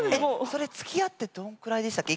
それつきあってどんくらいでしたっけ？